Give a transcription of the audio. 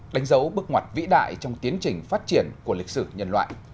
đánh dấu bước ngoặt vĩ đại trong tiến trình phát triển của lịch sử nhân loại